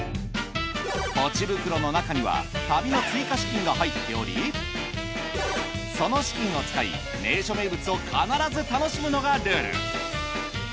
ポチ袋の中には旅の追加資金が入っておりその資金を使い名所名物を必ず楽しむのがルール。